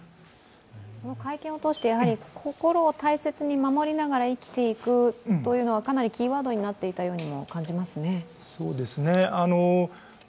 会見を通して、心を大切に守りながら生きていくというのはかなりキーワードになっていたようにも感じますね。